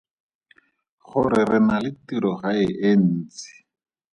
Gore re na le tirogae e ntsi.